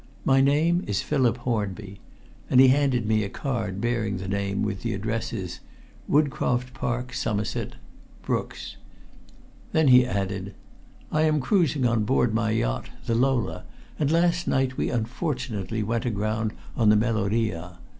My name is Philip Hornby," and he handed me a card bearing the name with the addresses "Woodcroft Park, Somerset Brook's." Then he added: "I am cruising on board my yacht, the Lola, and last night we unfortunately went aground on the Meloria.